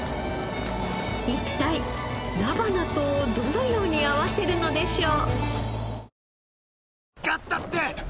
一体菜花とどのように合わせるのでしょう？